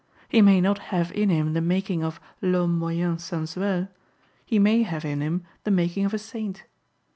He may not have in him the making of l'homme moyen sensuel; he may have in him the making of a saint.